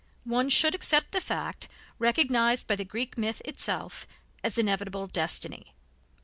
One should accept the fact, recognized by the Greek myth itself, as inevitable destiny.